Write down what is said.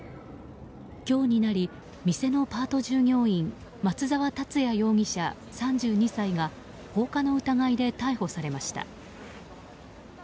今日になり、店のパート従業員松沢達也容疑者、３２歳が放火の疑いで逮捕されました。